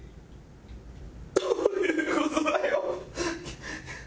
どういう事だよ！